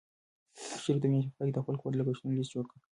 شریف د میاشتې په پای کې د خپل کور د لګښتونو لیست جوړ کړ.